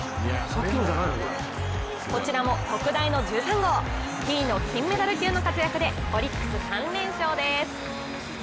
こちらも特大の１３号、Ｔの金メダル級の活躍でオリックス３連勝です。